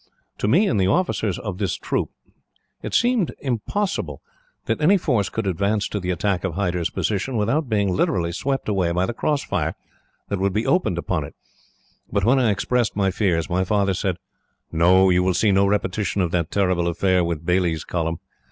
To me, and the officers of this troop, it seemed impossible that any force could advance to the attack of Hyder's position without being literally swept away by the crossfire that would be opened upon it; but when I expressed my fears, my father said: "'No; you will see no repetition of that terrible affair with Baillie's column.